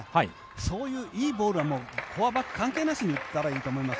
そういういいボールはフォア、バック関係なしに行ったらいいと思います。